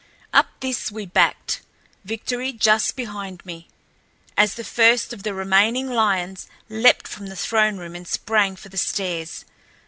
Up this we backed, Victory just behind me, as the first of the remaining lions leaped from the throne room and sprang for the stairs.